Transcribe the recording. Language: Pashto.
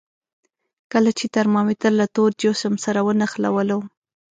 کله چې ترمامتر له تود جسم سره ونښلولو.